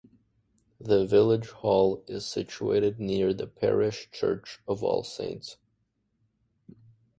The village hall is situated near the Parish Church of All Saints.